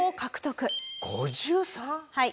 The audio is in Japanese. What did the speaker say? はい。